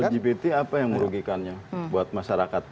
lgbt apa yang merugikannya buat masyarakat